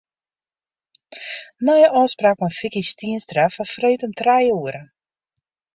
Nije ôfspraak mei Vicky Stienstra foar freed om trije oere.